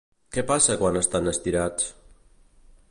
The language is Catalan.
Què passa quan estan estirats?